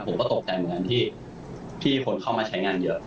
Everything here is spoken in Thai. ผมก็ตกใจเหมือนกันที่คนเข้ามาใช้งานเยอะ